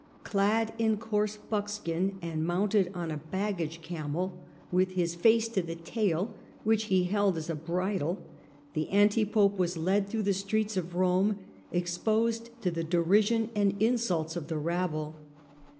Clad in coarse buckskin, and mounted on a baggage camel with his face to the tail, which he held as a bridle, the anti pope was led through the streets of Rome, exposed to the derision and insults of the rabble.